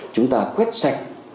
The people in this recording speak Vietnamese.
chúng ta quét sạch